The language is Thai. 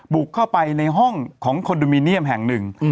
บุกเข้าไปในห้องของคอนโดมิเนียมแห่งหนึ่ง